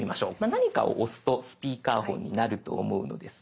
何かを押すとスピーカーフォンになると思うのですが。